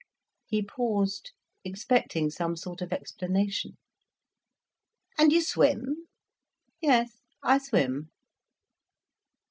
He paused, expecting some sort of explanation. "And you swim?" "Yes, I swim."